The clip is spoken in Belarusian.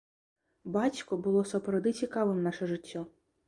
Бацьку было сапраўды цікавым наша жыццё.